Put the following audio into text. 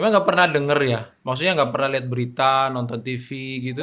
saya nggak pernah dengar ya maksudnya nggak pernah lihat berita nonton tv gitu